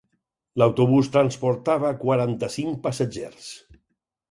L'autobús transportava quaranta-cinc passatgers.